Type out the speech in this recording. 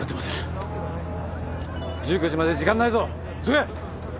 ピピッ１９時まで時間ないぞ急げ！